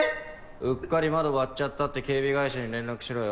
うっかり窓割っちゃったって警備会社に連絡しろよ。